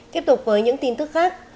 tiếp tục với những tin tức khác